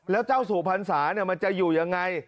แล้วเจ้าสู่พรรษามันจะอยู่ยังไง